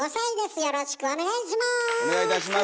よろしくお願いします。